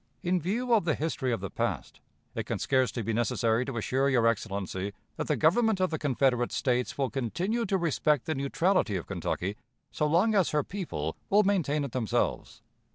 "In view of the history of the past, it can scarcely be necessary to assure your Excellency that the Government of the Confederate States will continue to respect the neutrality of Kentucky so long as her people will maintain it themselves.